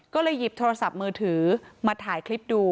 ก็เลยหยิบโทรศัพท์มือถือมาถ่ายคลิปดู